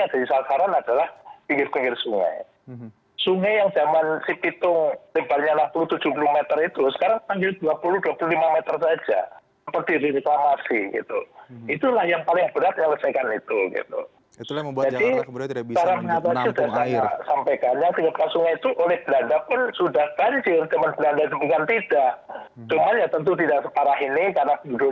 masyarakat harus bertanggung jawab juga terhadap banjir